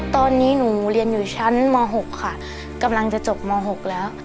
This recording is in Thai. ตอนนี้หนูเรียนอยู่ชั้นม๖ค่ะกำลังจะจบม๖แล้ว